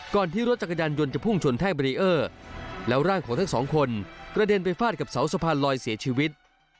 ที่รถจักรยานยนต์จะพุ่งชนแท่งเบรีเออร์แล้วร่างของทั้งสองคนกระเด็นไปฟาดกับเสาสะพานลอยเสียชีวิต